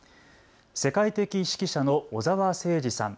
世界的指揮者の小澤征爾さん。